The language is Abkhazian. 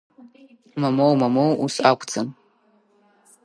Мамоу, мамоу ус акәӡам.